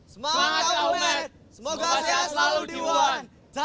semangat kak homet semoga sehat selalu di wuhan